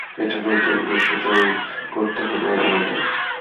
একটা নতুন বিশ্ব জোয় করতে হবে আমাদের।